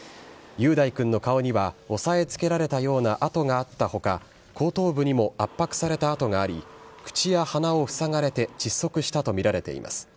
雄大君の顔には押さえつけられたような痕があったほか、後頭部にも圧迫された痕があり、口や鼻を塞がれて窒息したと見られています。